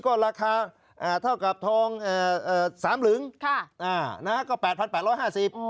ก็ราคาเท่ากับทองสามหลึงค่ะอ่านะฮะก็แปดพันแปดร้อยห้าสิบ